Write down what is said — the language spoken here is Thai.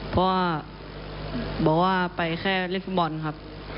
เพราะว่าไปแค่เล่นฟุตบอลครับ